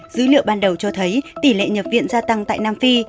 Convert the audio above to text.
dữ liệu ban đầu cho thấy tỷ lệ nhập viện gia tăng tại nam phi